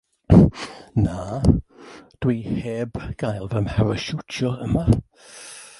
Na, dw i heb gael fy mharashiwtio yma.